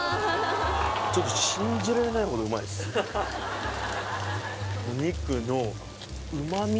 ちょっと信じられないほどうまいっすお肉の旨味？